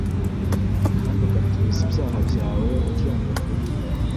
Kandi ugatuza ibyaha byawe uryamye vuba.